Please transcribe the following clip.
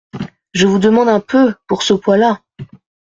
Je vous demande un peu ! pour ce poids-là !